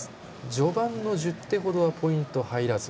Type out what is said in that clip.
序盤の１０手程はポイント入らず。